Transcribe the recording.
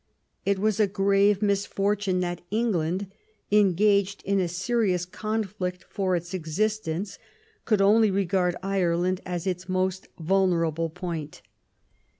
It was a grave misfortune that England, engaged in a serious con flict for its existence, could only regard Ireland as its most vulnerable point.